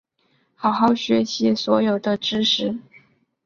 好好学习所有的知识